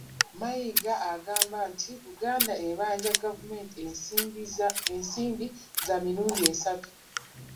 Mayiga agamba nti Buganda ebanja gavumenti ensimbi za mirundi esatu